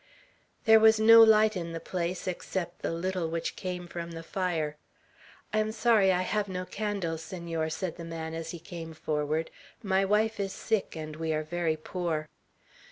There was no light in the place, except the little which came from the fire. "I am sorry I have no candle, Senor," said the man, as he came forward. "My wife is sick, and we are very poor."